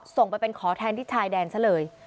ส่งไปเป็นขอแทนที่ชายแดนซะเลย